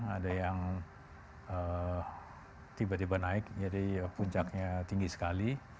ada yang tiba tiba naik jadi puncaknya tinggi sekali